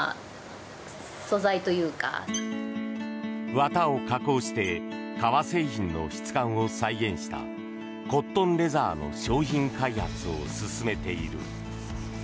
綿を加工して革製品の質感を再現したコットンレザーの商品開発を進めている。